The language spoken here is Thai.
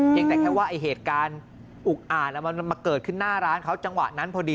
ยังแต่แค่ว่าไอ้เหตุการณ์อุกอ่านมันมาเกิดขึ้นหน้าร้านเขาจังหวะนั้นพอดี